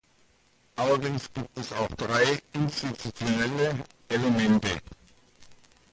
Allerdings gibt es auch drei institutionelle Elemente.